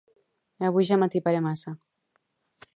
Avui ja m'atiparé massa